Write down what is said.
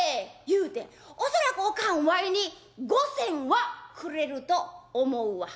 言うて恐らくお母はんわいに５銭はくれると思うわ。